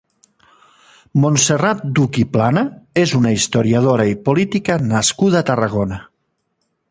Montserrat Duch i Plana és una historiadora i política nascuda a Tarragona.